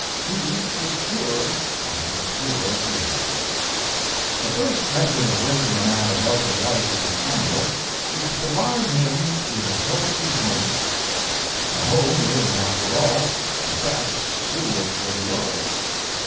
He was cured by the pure air. The first method of raising a man above the life of an animal is to provide him with a healthy home. The home is, after all, the best school for the world.